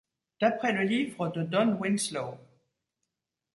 D'après le livre de Don Winslow.